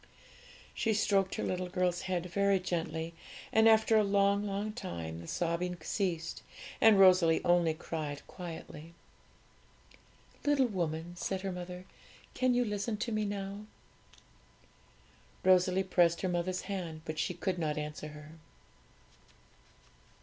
She stroked her little girl's head very gently; and after a long, long time the sobbing ceased, and Rosalie only cried quietly. 'Little woman,' said her mother, 'can you listen to me now?' Rosalie pressed her mother's hand, but she could not answer her.